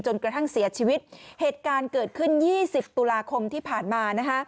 กระทั่งเสียชีวิตเหตุการณ์เกิดขึ้น๒๐ตุลาคมที่ผ่านมา